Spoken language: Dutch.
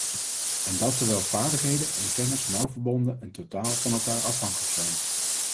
En dat terwijl vaardigheden en kennis nauw verbonden en totaal van elkaar afhankelijk zijn.